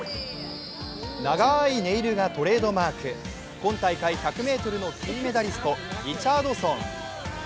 長いネイルがトレードマーク、今大会１００ｍの金メダリスト、リチャードソン。